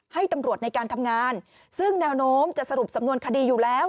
ให้ตำรวจในการทำงานซึ่งแนวโน้มจะสรุปสำนวนคดีอยู่แล้ว